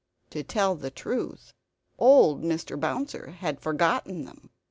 To tell the truth old Mr. Bouncer had forgotten them.